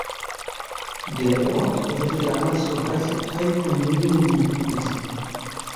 Der Ort gehörte damals zur Reichsabtei Kornelimünster.